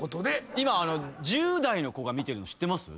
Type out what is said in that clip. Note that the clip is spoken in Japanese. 今１０代の子が見てるの知ってます？